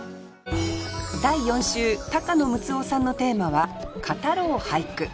第４週高野ムツオさんのテーマは「語ろう！俳句」。